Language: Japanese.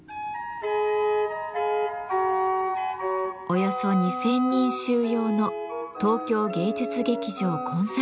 およそ２，０００人収容の東京芸術劇場コンサートホール。